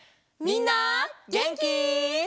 みんなげんき？